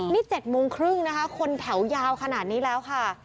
นี่๗โมงครึ่งนะคะคนแถวยาวขนาดนี้แล้วค่ะ